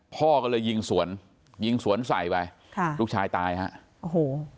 พ่อก็เลยยิงสวนยิงสวนใส่ไปลูกชายตายครับ